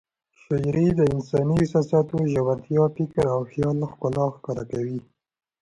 شاعري د انساني احساساتو ژورتیا، فکر او خیال ښکلا ښکاره کوي.